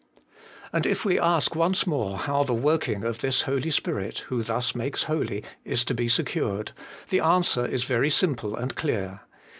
And if we ask once more how the working of this Holy Spirit, who thus makes holy, is to be secured, the answer is very simple and clear.